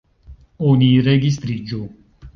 Oni registriĝu.